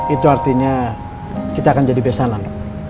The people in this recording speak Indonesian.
itu artinya kita akan jadi besalan